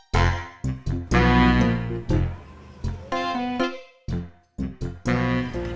masa dia kepayang sama dia